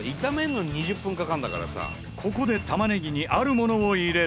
ここで玉ねぎにあるものを入れる。